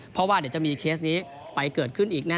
เพราะว่าเดี๋ยวจะมีเคสนี้ไปเกิดขึ้นอีกแน่